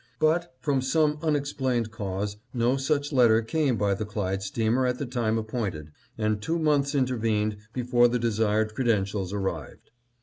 But, from some unexplained cause, no such letter came by the Clyde steamer at the time appointed, and two months intervened before the desired credentials arrived.